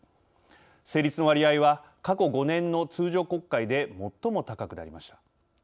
成立の割合は過去５年の通常国会で最も高くなりました。